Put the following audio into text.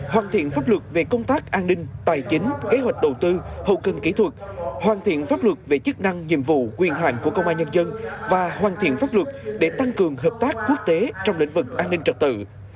hoàn thiện pháp luật về công tác an ninh tài chính kế hoạch đầu tư hậu cần kỹ thuật hoàn thiện pháp luật về chức năng nhiệm vụ quyền hạn của công an nhân dân và hoàn thiện pháp luật để tăng cường hợp tác quốc tế trong lĩnh vực an ninh trật tự